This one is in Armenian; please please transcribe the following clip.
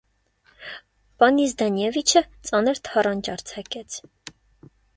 Պանի Զդանևիչը ծանր թառանչ արձակեց: